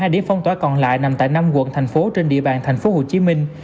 hai điểm phong tỏa còn lại nằm tại năm quận thành phố trên địa bàn thành phố hồ chí minh